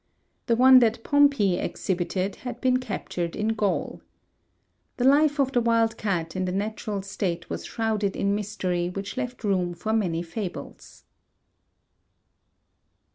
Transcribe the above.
The one that Pompey exhibited had been captured in Gaul. The life of the wildcat in the natural state was shrouded in mystery which left room for many fables.